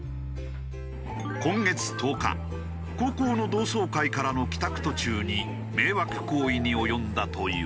今月１０日高校の同窓会からの帰宅途中に迷惑行為に及んだという。